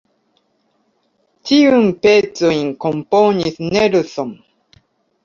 Ĉiun pecojn komponis Nelson.